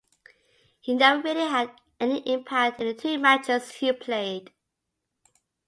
He never really had any impact in the two matches he played.